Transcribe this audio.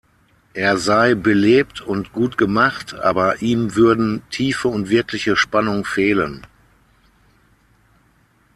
Er sei „"belebt"“ und „"gut gemacht"“, aber ihm würden Tiefe und wirkliche Spannung fehlen.